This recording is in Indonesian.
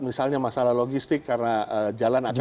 misalnya masalah logistik karena jalan akan